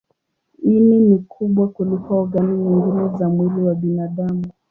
Ini ni kubwa kuliko ogani nyingine za mwili wa binadamu.